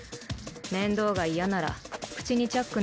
面倒が嫌なら口にチャック